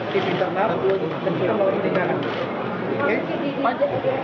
di internal dan kita melakukan pernyataan